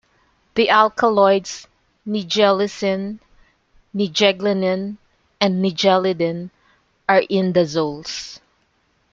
The alkaloids nigellicine, nigeglanine, and nigellidine are indazoles.